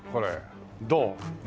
どう？